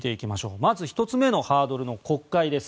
まず１つ目のハードルの国会です。